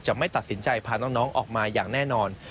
ไม่ตัดสินใจพาน้องออกมาอย่างแน่นอน